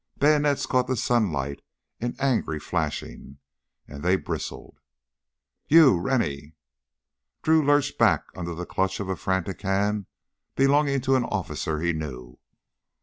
Bayonets caught the sunlight in angry flashing, and they bristled. "You ... Rennie...." Drew lurched back under the clutch of a frantic hand belonging to an officer he knew.